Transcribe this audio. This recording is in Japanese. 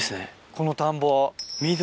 この田んぼ。